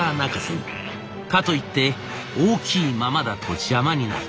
かといって大きいままだと邪魔になる。